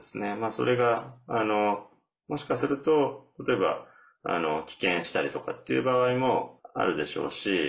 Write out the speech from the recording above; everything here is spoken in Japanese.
それが、もしかすると例えば棄権したりとかっていう場合もあるでしょうし。